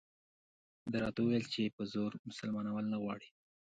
ده راته وویل چې په زور مسلمانول نه غواړي.